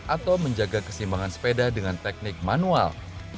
atau menjaga kesimbangan sepeda dengan teknik manual